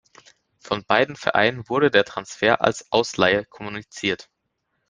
Von beiden Vereinen wurde der Transfer als Ausleihe kommuniziert.